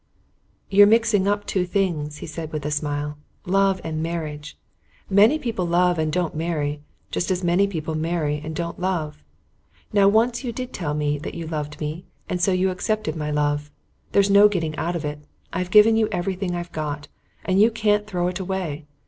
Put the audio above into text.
"You're mixing up two things," he said, with a smile. "Love and marriage. Many people love and don't marry, just as many marry and don't love. Now once you did tell me that you loved me, and so you accepted my love. There's no getting out of it. I've given you everything I've got, and you can't throw it away.